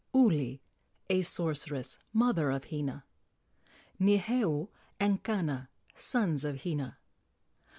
Uli, a sorceress, mother of Hina. Niheu and Kana, sons of Hina.